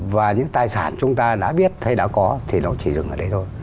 và những tài sản chúng ta đã biết hay đã có thì nó chỉ dừng ở đây thôi